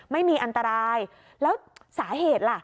ไม่มีอันตรายแล้วสาเหตุล่ะ